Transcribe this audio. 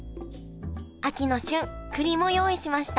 秋の旬くりも用意しました